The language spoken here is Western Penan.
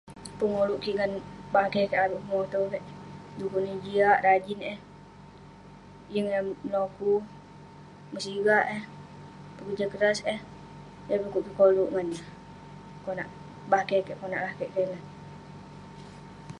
Pengoluk kik bakeh kek, avik pemotew kek, dekuk neh jiak, rajin eh, yeng eh meloku, mesigah eh, pekerja keras eh. Yah dekuk kik koluk ngan neh. Konak bakeh kek, konak lakeik kek.